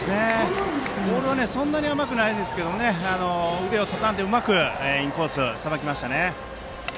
ボールはそんなに甘くないですが腕をたたんでうまくインコースさばきましたね。